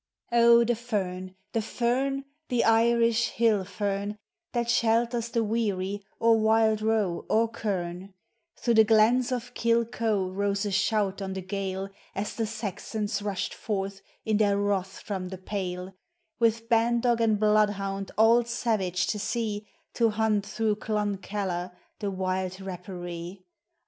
Oh, the fern, the fern, the Irish hill fern, That shelters the weary, or wild roc, or kern; Through the glens of Kilcoe rose a shoul on the gale, As the Saxons rushed forth in their wrath from the Pale, With bandog and bloodhound, all savage to see, To hunt through Cluncalla the wild rapparee.